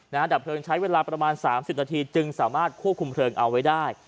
ดับเพลิงใช้เวลาประมาณสามสิบนาทีจึงสามารถควบคุมเพลิงเอาไว้ได้